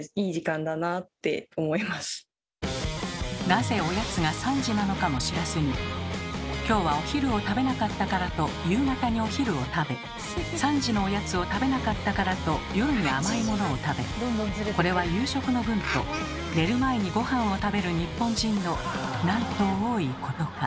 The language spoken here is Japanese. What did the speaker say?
なぜおやつが「３時」なのかも知らずに今日はお昼を食べなかったからと夕方にお昼を食べ３時のおやつを食べなかったからと夜に甘いものを食べ「これは夕食の分」と寝る前にごはんを食べる日本人のなんと多いことか。